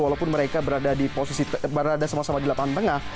walaupun mereka berada sama sama di lapangan tengah